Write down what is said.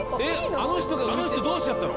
あの人どうしちゃったの？